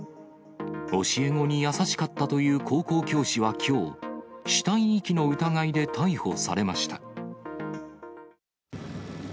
教え子に優しかったという高校教師はきょう、死体遺棄の疑いで逮捕されました。